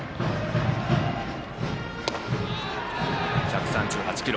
１３８キロ。